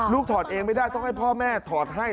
ถอดเองไม่ได้ต้องให้พ่อแม่ถอดให้